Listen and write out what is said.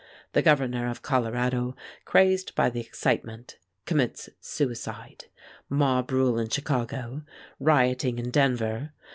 The Governor of Colorado, crazed by the excitement, commits suicide. Mob rule in Chicago. Rioting in Denver.